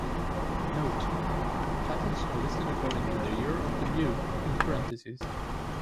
"Note": Titles are listed according to their year of debut in parentheses.